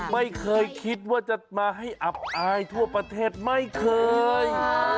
ไม่เคยคิดว่าจะมาให้อับอายทั่วประเทศไม่เคย